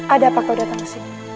ada apa kau datang ke sini